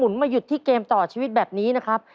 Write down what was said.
มาหยุดที่เกมต่อชีวิตแบบนี้นะครับ